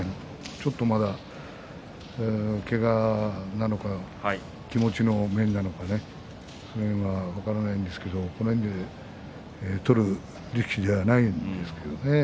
ちょっと、まだけがなのか気持ちの面なのか分からないですがこの辺で取る力士じゃないですね。